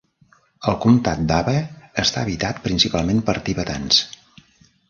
El comtat d'Aba està habitat principalment per tibetans.